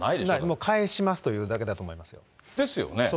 もう返しますと言うだけだと思います。